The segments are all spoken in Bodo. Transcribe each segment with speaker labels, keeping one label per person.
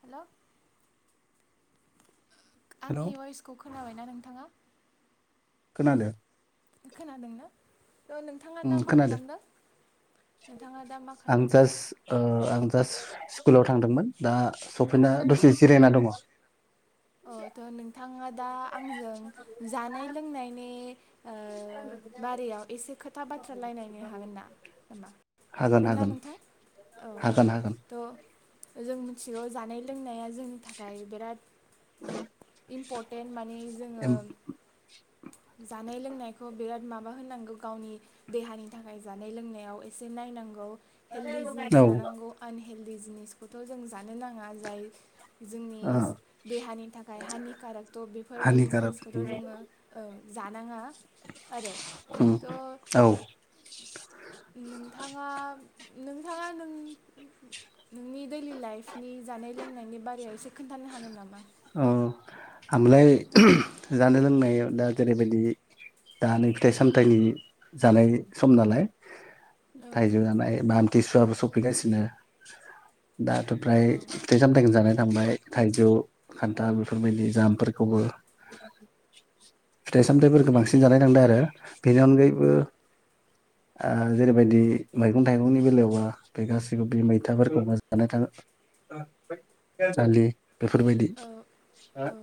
Speaker 1: हेलौ।
Speaker 2: हेलौ
Speaker 1: आंनि वइसखौ खोनाबायना नोंथाङा।
Speaker 2: खोनादो।
Speaker 1: खोनादोंना। ओ नोंथाङा दा
Speaker 2: उम
Speaker 1: मा
Speaker 2: खोनादो
Speaker 1: खालामदों नोंथाङा दा मा
Speaker 2: आं
Speaker 1: खालामदों?
Speaker 2: जास्ट ओ आं जास्ट स्कुलाव थांदोंमोन दा सफैना दसे जिरायना दङ।
Speaker 1: अ थ' नोंथाङा। दा। आंजों जानाय लोंनायनि ओ बारायाव एसे खोथा बाथ्रालायरायनो हागोन ना मा हागोन ना नोंथां औ औ
Speaker 2: हागोन हागोन
Speaker 1: थ'। जों मिथिगौ जानाय लोंनाया जोंनि थाखाय बिराद। इम्पर्टेन्ट माने जोङो।
Speaker 2: एम
Speaker 1: जानाय लोंनायखौ बिराद माबा होनांगौ गावनि देहानि थाखाय जानाय लोंनायाव एसे नायनांगौ। हेल्दि जिनिस
Speaker 2: औ
Speaker 1: जानांगौ आनि हेल्दि जिनिसखौथ' जों जानो नाङा जाय।
Speaker 2: ओ
Speaker 1: जोंनिस देहानि थाखाय हानि काराकथ' बेफोरबायदि
Speaker 2: हानिकारक
Speaker 1: जिनिसखौथ'
Speaker 2: उम
Speaker 1: जोङो ओं। जानाङा आरो थ'
Speaker 2: औ
Speaker 1: नोंथाङा। नोंथाङा नों नोंनि दैलि लाइफनि जानाय लोंनायनि बारायाव एसे खोन्थानो हागोन नामा।
Speaker 2: औ आमलाय जानाय लोंनायाव दा जेरैबायदि दा नै फिथाइ सामथाइनि जानाय सम नालाय
Speaker 1: औ
Speaker 2: थायजौ जानाय बा [unintelligible] सफैगासिनो दाथ फ्राय फिथाइ-सामथाइखौ जानाय बाय थाइजौ खान्था बेफोरबायदि जामफोरखौबो फिथाइ सामथायाइफोरखौ बांसिन जानाय थांदों आरो बेनि अनगायैबो आ जेरैबायदि मैगं थाइगंनि बेलायाबा बे गासिबो बे मैथाफोरखौबो जानाय थाङो दालि बेफोरबायदि
Speaker 1: औ
Speaker 2: हा।
Speaker 1: औ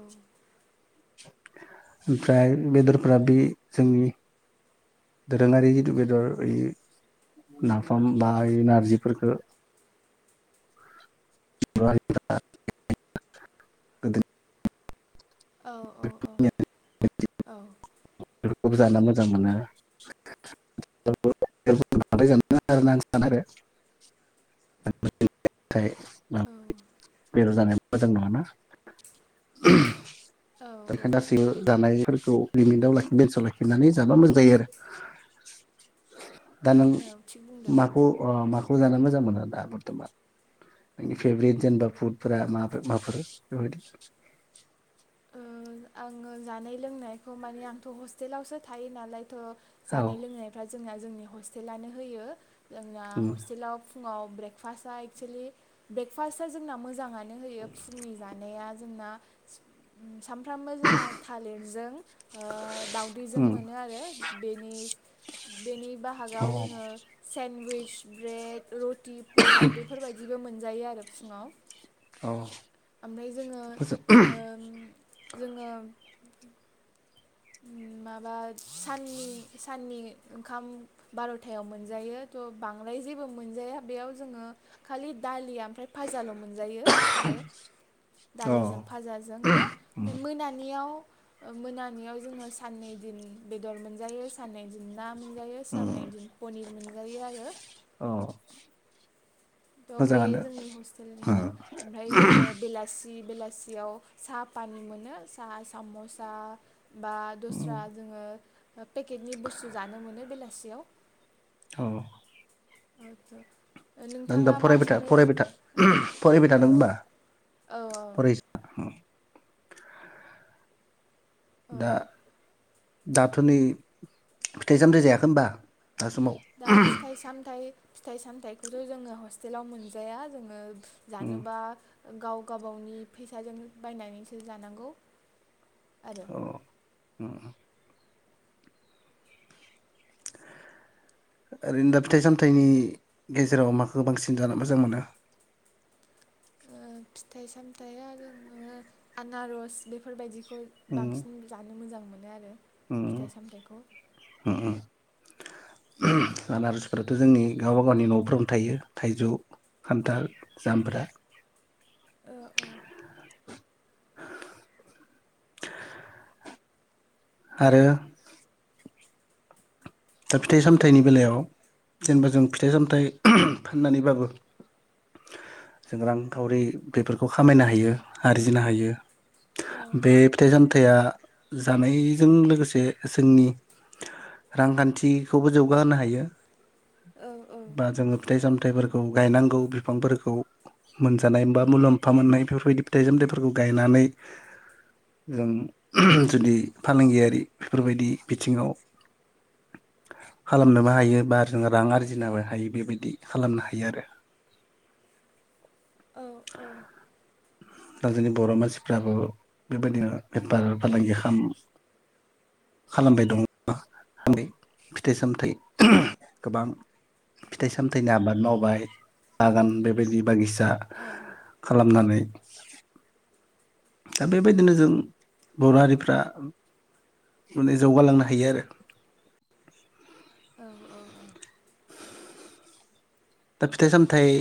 Speaker 2: ओमफ्राय बेदरफ्रा बे जोंनि दोरोङारि जिथु बेदर बे नाफाम बा ओ नारजिफोरफोरखौ [unintelligible]
Speaker 1: औ औ औ औ।
Speaker 2: खौबो जानो मोजां मोनो आरो [unintelligible] बेलर जानाय मोजां नंङाना
Speaker 1: औ
Speaker 2: बेखायनो
Speaker 1: औ
Speaker 2: गासै जानाय फोरखौ लिमिटाव बेसाव लाखिनानै जाबा मोजां जायो आरो। दा नों
Speaker 1: औ थिग बुंदों
Speaker 2: माखौ ओ माखौ। खौ मोजां मोनो दा बर्थमान नोंनि फेभरेट जेनेबा फुटफोरा माफोर माफोर बेफोरबायदि
Speaker 1: ओ आङो जानाय लोंनायखौ माने आंथ हस्टेलावसो थायो नालाय थ
Speaker 2: औ
Speaker 1: जानाय लोंनायफ्रा जोंना जोंनि हस्टेलानो होयो जोंना
Speaker 2: उम
Speaker 1: हस्टेलाव फुङाव ब्रेकफास्ट एक्सेलि ब्रेकफास्टआ जोंना मोजाङानो नो होयो फुंनि जानाया जोंना [inaudible] फ्रामबो जोङो थालिरजों ओ दावदैजों
Speaker 2: उम
Speaker 1: मोनो आरो बेनि बेनि
Speaker 2: औ
Speaker 1: बाहागाव जोङो सेन्वइस ब्रेड रटि पुरि बेफोरबायदिबो मोन जायो आरो फुङाव
Speaker 2: औ।
Speaker 1: ओमफ्राय जोङो
Speaker 2: मोजां
Speaker 1: ओम जोङो उम माबा साननि साननि ओंखाम बार'थायाव मोनजायो थ' बांद्राय जेबो मोनजाया बेयाव जोङो खालि दालि आम ओमफ्राय फाजाल'मोनजायो आरो
Speaker 2: औ
Speaker 1: दालिजों फाजाजोंल'
Speaker 2: उम
Speaker 1: ओमफ्राय मोनानियाव मोनानियाव जोङो साननै दिन बेदर मोनजायो साननै दिन ना मोनजायो
Speaker 2: उम
Speaker 1: साननै दिन पनिर मोनजायो आरो।
Speaker 2: औ
Speaker 1: तह बे
Speaker 2: मोजाङानो
Speaker 1: जोंनि हस्टेलनि ओ
Speaker 2: उम
Speaker 1: ओमफ्राय जोङो बेलासि बेला सियाव साहा पानि मोनो साहा साम'सा बा
Speaker 2: उम
Speaker 1: दस्रा जोङो पेकेटनि बुस्थु जानो मोनो बेलासियाव।
Speaker 2: औ।
Speaker 1: आतसा
Speaker 2: नों दा फरायबाय था फरायबाय था फरायबाय
Speaker 1: ओ
Speaker 2: थादों होमबा
Speaker 1: औ
Speaker 2: फरायस
Speaker 1: औ
Speaker 2: दा दाथ' नै फिथाइ सामथाइ जायाखै होमबा?
Speaker 1: दा फिथाइ सामथाइ फिथाइ सामथाइखौथ' जोङो हस्टेलाव मोनजाया जोङो
Speaker 2: उम
Speaker 1: जानोबा गाव गाबावनि फैसाजोंनो बायनानैसो जानांगौ। आरो
Speaker 2: औ। ओम। ओरैनो दा फिथाइ सामथाइनि गेजेराव माखौ बांसिन जानो मोजां मोनो?
Speaker 1: ओ फिथाइ सामथाइया आरो आनारस बेफोरबायदि। बेखौ
Speaker 2: उम
Speaker 1: बांसिन जानो मोजां मोनो। बिदिनो आरो।
Speaker 2: उम
Speaker 1: फिथाइ सामथाइखौ।
Speaker 2: उम उम आनारसफोराथ' जोंनि गावबा गावनि न'फोरावनो थायो थाइजौ खान्थाल जामब्रा
Speaker 1: औ औ।
Speaker 2: [inaudible] आरो दा फिथाइ सामथाइनि बेलायाव जेनेबा जों फिथाइ सामथाइ फाननानैबाबो जों रांखावरि बेफोरखौ खामायनो हायो आरजिनो हायो। बे फिथाइ साम थाइया जानायजों लोगोसे जोंनि रांखान्थि थिखौबो जौगाहोनो हायो।
Speaker 1: औ औ
Speaker 2: बा जोङो फिथाइ सामथ थाइफोरखौ गायनांगौ बिफांफोरखौ मोनजानाय बा मुलाम्फा मोननाय बेफोरबायदि फिथाइ सामथाइफोरखौ गायनानै जों जुदि फालांगियारि बेफोरबायदि बिथिङाव खालामनोबो हायो बा जोङो रां आरजिनोबो हायो बेबायदि खालामनो हायो आरो।
Speaker 1: औ
Speaker 2: दा जोंनि बर' मानसिफ्राबो बेबायदिनो बेफार फालांगि खालाम खालामबाय दं। आं बे फिथाइ सामथाइ गोबां फिथाइ सामथाइनि आबाद मावबाय बागान बेबायदि बागिसा दा खालामनानै [inaudible] दा बेबायदिनो जों बर' हारिफ्रा माने जौगालांनो हायो आरो
Speaker 1: औ औ औ
Speaker 2: दा फिथाइ सामथाइ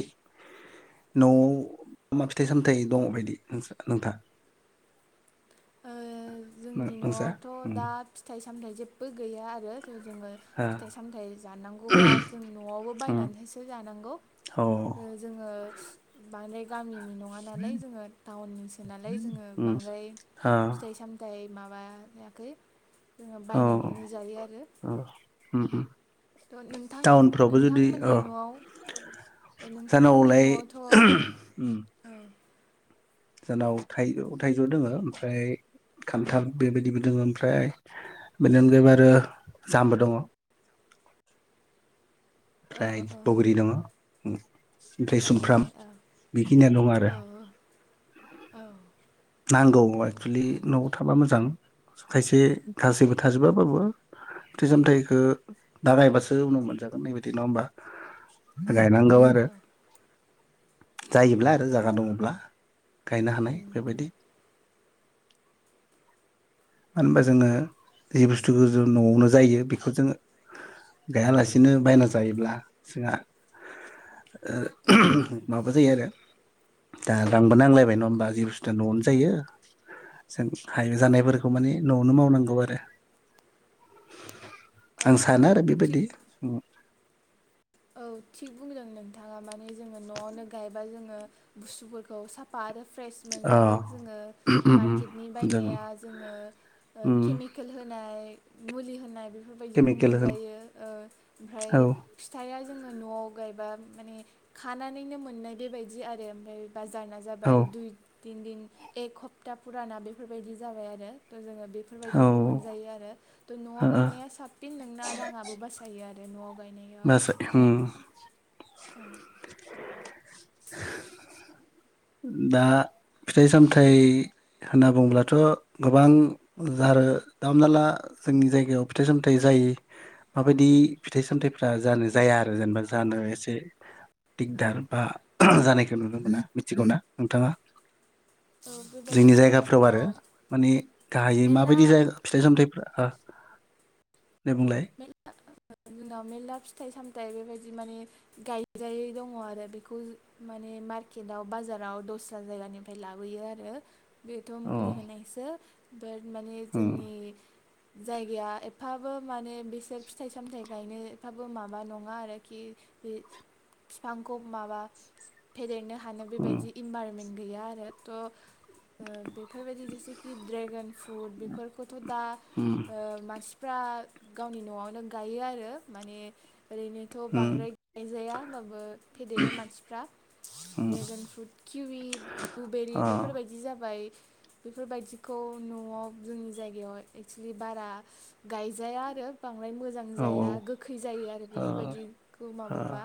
Speaker 2: न'आव मा फिथाइ सामथायाइ दङ बायदि नोंथा
Speaker 1: ओ
Speaker 2: नोंसा
Speaker 1: सामथाय जेबबो गैया आरो जोङो
Speaker 2: अ
Speaker 1: फिथाइ सामथाय जानांगौबा जों न'आवबो
Speaker 2: अ
Speaker 1: बायनानैसो जानांगौ
Speaker 2: औ
Speaker 1: जोङो माने गामि नङा नालाय जोङो टाउननिसो नालाय जोङो बांद्राय फिथाय सामथाय माबायाखै जोङो बायनानैनो जायो आरो नोंथां
Speaker 2: टाउनफ्रावबो जुदि अ
Speaker 1: नोंथांमोननि न'आव नोंथांमोननि
Speaker 2: जानांगौलाय
Speaker 1: न'आवथ'
Speaker 2: जोंनाव थाइजौ थाइजौ दङ ओमफ्राय खान्थाल बेबायदिबो दङ ओमफ्राय बेनि अनगायैबो आरो जाम दङ
Speaker 1: ओ
Speaker 2: ओमफ्राय
Speaker 1: ओ
Speaker 2: बग्रि दङ ओमफ्राय
Speaker 1: ए ए
Speaker 2: सुमफ्राम
Speaker 1: औ
Speaker 2: बेखिनियानो दं आरो
Speaker 1: औ औ
Speaker 2: नांगौ एक्सुलि न'आव थाबा मोजां खायसे गासैबो थाजोबाबाबो फिथाय सामथायखो दा गायबासो उनाव मोनजागोन नैबायदि नङा होमबा गायनां
Speaker 1: औ
Speaker 2: गौ आरो
Speaker 1: औ
Speaker 2: जायोब्ला आरो जागा दङब्ला गायनो हानाय
Speaker 1: उम उम
Speaker 2: बेबायदि मानो होनबा जोङो जि बुस्थुखौ ज न'आवनो जायो बेखौ जोङो गायालासेनो बायना जायोब्ला जोंहा ओ माबा जायो आरो दा रांबो नांलायबाय नङा होमबा जि बुस्थुआ न'आवनो जायो जों हायो
Speaker 1: औ
Speaker 2: जानायफोर माने न'आवनो मावनांगौ आरो
Speaker 1: औ
Speaker 2: आं सानो
Speaker 1: औ
Speaker 2: आरो
Speaker 1: थिग
Speaker 2: बेबायदि
Speaker 1: औ थिग बुंदों नोंथाङा माने जोङो न'आवनो गायबा जोङो बुस्थुफोरखौ साफा आरो फ्रेश
Speaker 2: अ
Speaker 1: मोनजागोन जोङो मार्केटनि
Speaker 2: जागोन
Speaker 1: बायनाया जोङो केमिकेल होनाय मुलि होनाय बेफोरबायदिखौ
Speaker 2: केमिकेल होन
Speaker 1: मोनजायो ओ
Speaker 2: औ
Speaker 1: ओमफ्राय जोङो न'आव गायबा माने खानानैनो मोननाय बेबायदि आरो ओमफ्राय बाजारा
Speaker 2: औ
Speaker 1: जाबाय दुइ दिन दिन एक हप्ता फुराना बेफोरबायदि जाबाय आरो जोङो बेफोरबायदिखौ
Speaker 2: औ
Speaker 1: मोनजायो आरो थ' न'आव गायनाया साबसिन नोंना राङाबो बासायो आरो नआव गायनाय औ
Speaker 2: [unintelligible] [unintelligible] दा फिथाइ सामथाइ होनना बुङोबाथ गोबां आरो दा हमनाला जोंनि जायगायाव फिथाइ सामथाइ जायो माबायदि फिथाइ सामथाइफ्रा जानो जाया आरो जेनेबा जानो एसे दिगदार बा जानाखि नुनो मोनो मिथिगौ ना नोंथाङा? जोंनि
Speaker 1: बेबायदिथ'
Speaker 2: जायगाफ्राव आरो
Speaker 1: जोंनाव
Speaker 2: माने गाहायै
Speaker 1: मेरला
Speaker 2: माबायदि जायगा फिथाइ सामथाय फोरा दे बुंलाय।
Speaker 1: मेरला जोंनाव मेलला फिथाइ सामथाइ बेबायदि माने गायजायै दङ आरो बेखौ माने मार्केटआव बाजाराव दस्रा जायगानिफ्राय लाबोयो आरो बेथ
Speaker 2: अ
Speaker 1: मुलि होनायसो बे माने
Speaker 2: उम
Speaker 1: जोंनि जायगाया एफाबो माने बिसोर फिथाइ सामथाइ गायनोफ्राबो माबा नङा आरोखि बे फिफांखौ माबा फेदेरनो हानो
Speaker 2: उम
Speaker 1: बेबायदि इनभाररमेन्ट गैया आरो त ओ बेफोरबायदि जेसेखि ड्रेगन फ्रुट बेफोरखौथ दा ओ
Speaker 2: उम
Speaker 1: मानसि फ्रा गावनि नआवनो गायो आरो माने ओरैनोथ
Speaker 2: उम
Speaker 1: बांद्राय गायजाया होमबाबो फेदेरो मानसिफ्रा
Speaker 2: उम
Speaker 1: ड्रेगन फ्रुट किउवि ब्लुबेरि
Speaker 2: अ
Speaker 1: बेफोर बायदि जाबाय बेफोर बायदिखौ नआव जोंनि जायगायाव एक्सलि बारा गायजाया [unintelligible] बांद्राय मोजां
Speaker 2: औ
Speaker 1: जाया गोखै जायो आरो
Speaker 2: ओ
Speaker 1: बेफोर बायदिखौ माबाबा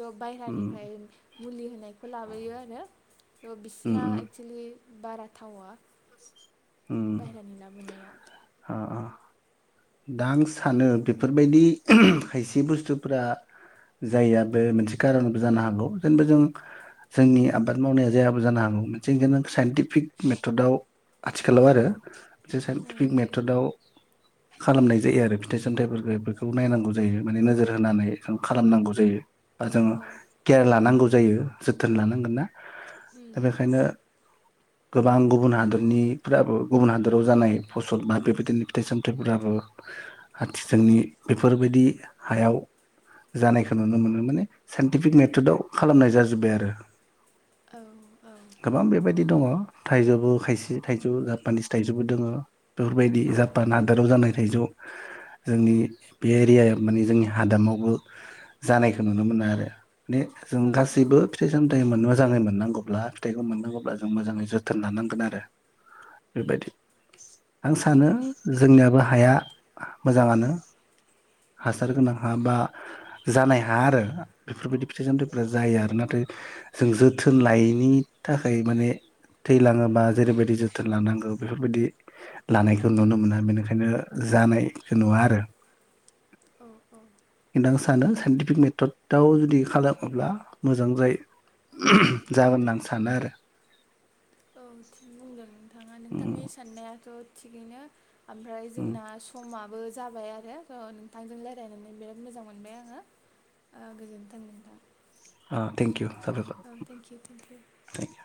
Speaker 1: थ
Speaker 2: उम
Speaker 1: बायरानिफ्राय मुलि होनायखौ लाबोयो आरो त
Speaker 2: उम
Speaker 1: बिसिना
Speaker 2: उम
Speaker 1: एक्सलि बारा थावा
Speaker 2: [inaudible]
Speaker 1: बायरहानि लाबोनाया
Speaker 2: अ अ दा आं सानो बेफोर बायदि खायसे बुस्थुफोरा जायाबो मोनसे कारनबो जानो हागौ जेनेबा जों जोंनि आबाद मावनाया जायाबो जानो हागौ मोनसे जेन साइन्टिफिक मेथदाव आथिखालाव आरो जे
Speaker 1: ओं
Speaker 2: साइन्टिफिक मेथदाव खालामनाय जायो आरो फिथाइ सामथाइफोरखौ बेखौ नायनांगौ जायो माने नोजोर होनानै खालामनांगौ जायो। बा
Speaker 1: औ
Speaker 2: जोङो
Speaker 1: औ
Speaker 2: केयार लानांगौ जायो जोथोन लानांगोन ना दा
Speaker 1: उम
Speaker 2: बेखायनो गोबां गुबुन हादर निफ्राबो गुबुन हादराव जानाय फसल बा बेबायदिनो फिथाइ सामथाइफोराबो आथिखालनि बेफोरबायदि हायाव जानायखो नुनो मोनो माने साइन्टिफिक मेथदाव खालामनाय जाजोबबाय आरो
Speaker 1: औ
Speaker 2: [inaudible] गोबां बेबायदि दङ थाइजोबो खाय से थाइजौ जापानिस थाइजोबो दोङो बेफोर बायदि जापान हादोराव जानाय थाइजौ जोंनि बे एरियाया माने जोंनि हादामावबो जानायखौ नुनो मोनो आरो माने जों
Speaker 1: औ
Speaker 2: गासैबो फिथाइ सामथाइ मोनो मोजाङै मोननांगौब्ला फिथाइखौ मोननांगौब्ला जों मोजाङै जोथोन लानांगोन आरो बे बायदि आं सानो जोंनियाबो हाया मोजाङानो हासार गोनां हा बा जानाय हा आरो बेफोरबायदि फिथाइ सामथाइ फोरा जायो आरो नाथाय जों जोथोन लायैनि थाखाय माने थैलाङोबा जेरैबा जोथोन लानांगौ बेफोरबायदि लानायखौ नुनो मोना बेनिखायनो जानायखौ नुवा आरो
Speaker 1: औ औ
Speaker 2: [unintelligible] आं सानो साइन्टिफिक मेथदआव जुदि खालामोब्ला मोजां जायो उह जागोन होनना आं सानो आरो
Speaker 1: औ थिग बुंदों नोंथाङा
Speaker 2: आरो
Speaker 1: नोंथांनि साननायाथ' थिगैनो ओमफ्राय जोंना समा बो जाबाय आरो स' नोंथांजों रायजलायनानै बिराद मोजां मोनबाय आङो ओ गोजोन्थों नोंथां
Speaker 2: अ थेंक इउ साबायखर
Speaker 1: औ थेंकिउ थेंकिउ
Speaker 2: थेंक इउ